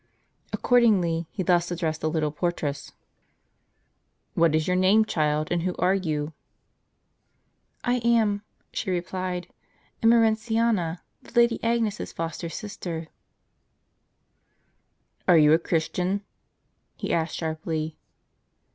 Accordingly, he thus addressed the little portress :" What is your name, child, and who are you ?" "I am," she replied, " Emerentiana, the Lady Agnes's foster sister." ''Are you a Christian? " he asked her sharply.